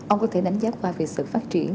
ông có thể đánh giá qua về sự phát triển